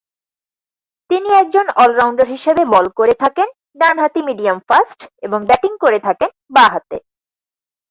তিনি একজন অল-রাউন্ডার হিসেবে বল করে থাকেন ডান-হাতি মিডিয়াম ফাস্ট এবং ব্যাটিং করে থাকেন বা-হাতে।